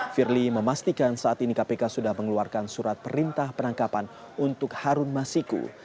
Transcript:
firly memastikan saat ini kpk sudah mengeluarkan surat perintah penangkapan untuk harun masiku